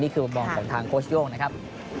นี่คือบอกบอกของทางโค้ชโย่งนะครับ